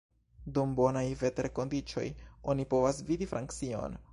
Dum bonaj veterkondiĉoj oni povas vidi Francion.